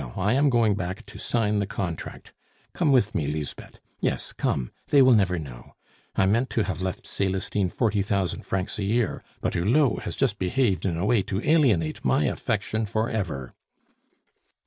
Well, I am going back to sign the contract. Come with me, Lisbeth yes, come. They will never know. I meant to have left Celestine forty thousand francs a year; but Hulot has just behaved in a way to alienate my affection for ever."